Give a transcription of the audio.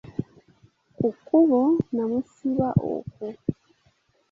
Ku kkubo namusiba okwo.